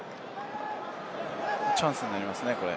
チャンスになりますね、これ。